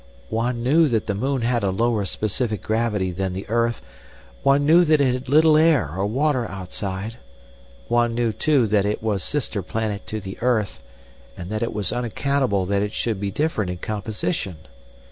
"One knew that the moon had a lower specific gravity than the earth, one knew that it had little air or water outside, one knew, too, that it was sister planet to the earth, and that it was unaccountable that it should be different in composition.